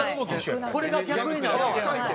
これが逆になるだけなんや。